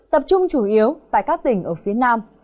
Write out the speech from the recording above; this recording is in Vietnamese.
tập trung chủ yếu tại các tỉnh ở phía nam